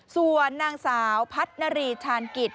ส่วนนางสาวพัดณรีธานกิจ